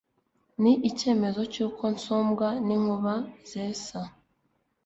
ni icyemezo cy'uko nsumbya n'inkuba zesa